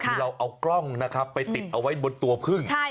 คือเราเอากล้องนะครับไปติดเอาไว้บนตัวพึ่ง